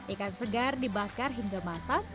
ikan segar dibakar hingga matang